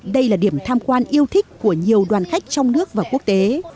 đây là điểm tham quan yêu thích của nhiều đoàn khách trong nước và quốc tế